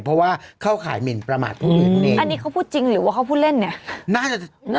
เพราะว่าเข้าขายเหม็นประมาทพวกอื่นเอง